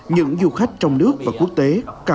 những du khách trong nước và quốc tế